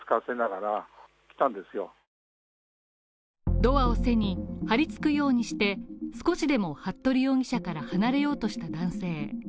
ドアを背に張り付くようにして、少しでも服部容疑者から離れようとした男性。